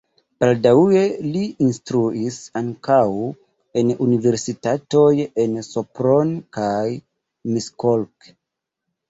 Baldaŭe li instruis ankaŭ en universitatoj en Sopron kaj Miskolc.